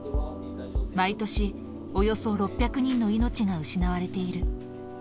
毎年およそ６００人の命が失われている。